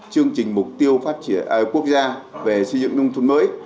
chương trình mục tiêu quốc gia về xây dựng nông thuật mới